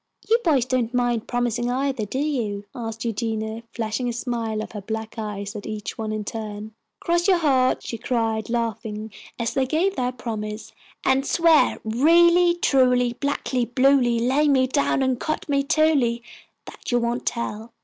"You boys don't mind promising, either, do you?" asked Eugenia, flashing a smile of her black eyes at each one in turn. "Cross your hearts," she cried, laughing, as they gave their promise, "and swear 'Really truly, blackly, bluely, lay me down and cut me in twoly,' that you won't tell."